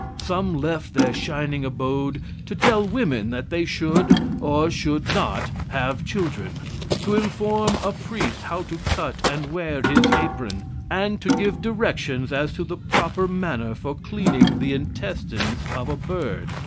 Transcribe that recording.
Some left their shining abode to tell women that they should, or should not, have children, to inform a priest how to cut and wear his apron, and to give directions as to the proper manner for cleaning the intestines of a bird.